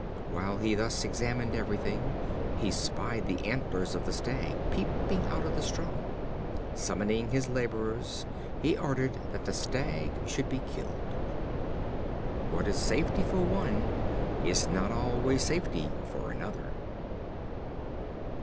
While he thus examined everything, he spied the antlers of the Stag peeping out of the straw. Summoning his laborers, he ordered that the Stag should be killed. What is safety for one is not always safety for another.